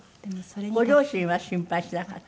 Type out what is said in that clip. ご両親は心配しなかった？